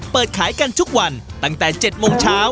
เปิดขายกันทุกวันตั้งแต่๗โมงเช้า